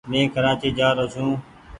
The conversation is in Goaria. مين ڪرآچي جآ رو ڇون۔